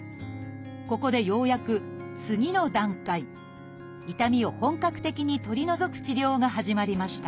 ここでようやく次の段階痛みを本格的に取り除く治療が始まりました。